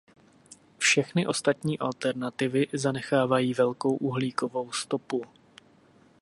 Všechny ostatní alternativy zanechávají velkou uhlíkovou stopu.